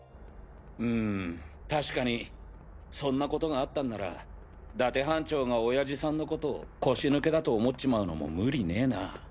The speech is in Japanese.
うん確かにそんな事があったんなら伊達班長が親父さんのコト腰抜けだと思っちまうのも無理ねぇな。